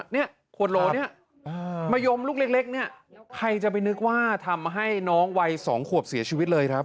เนี่ยขวดโหลเนี่ยมะยมลูกเล็กเนี่ยใครจะไปนึกว่าทำให้น้องวัย๒ขวบเสียชีวิตเลยครับ